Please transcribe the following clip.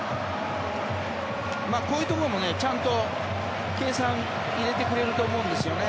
こういうところもちゃんと計算入れてくれると思うんですよね